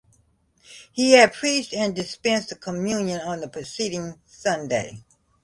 He had preached and dispensed the Communion on the preceding Sunday.